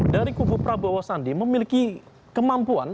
dari kubu prabowo sandi memiliki kemampuan